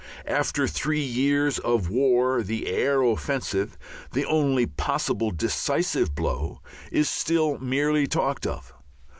After three years of war the air offensive, the only possible decisive blow, is still merely talked of.